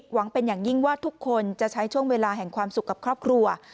หวังเป็นอย่างยิ่งว่าทุกคนจะใช้ช่วงเวลาแห่งความสุขกับครอบครัว